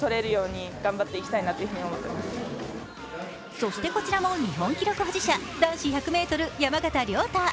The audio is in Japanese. そして、こちらも日本記録保持者男子１００ｍ・山縣亮太。